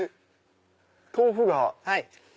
豆腐が。